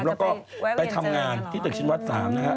แล้วก็ไปทำงานที่ตึกชินวัด๓นะฮะ